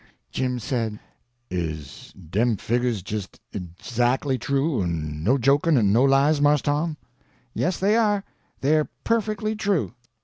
Jim said: "Is dem figgers jist edjackly true, en no jokin' en no lies, Mars Tom?" "Yes, they are; they're perfectly true."